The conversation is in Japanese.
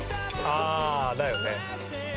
ああだよね。